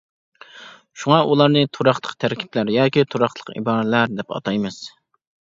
شۇڭا ئۇلارنى تۇراقلىق تەركىبلەر ياكى تۇراقلىق ئىبارىلەر دەپ ئاتايمىز.